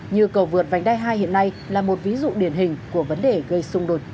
như cầu vượt vành đai hai hiện nay là một ví dụ điển hình của vấn đề gây xung đột